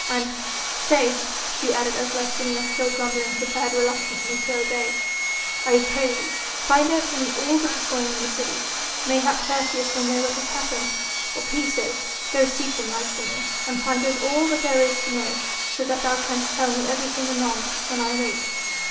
"And stay " she added as Licinia still grumbling prepared reluctantly to obey "I pray thee find out for me all that is going on in the city. Mayhap Tertius will know what has happened or Piso.... Go seek them, Licinia, and find out all that there is to know, so that thou canst tell me everything anon, when I wake."